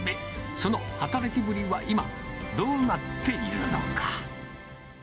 その働きぶりは今、どうなっているのか。